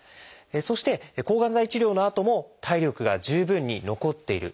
そして抗がん剤治療のあとも体力が十分に残っている。